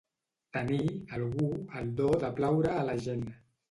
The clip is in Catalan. Tenir, algú, el do de plaure a la gent.